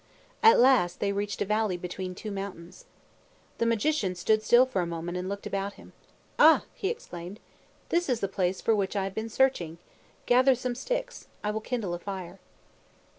At last they reached a valley between two mountains. The Magician stood still for a moment and looked about him. "Ah!" he exclaimed. "This is the very place for which I have been searching. Gather some sticks. I will kindle a fire."